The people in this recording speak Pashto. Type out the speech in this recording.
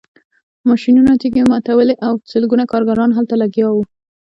ماشینونو تیږې ماتولې او سلګونه کارګران هلته لګیا وو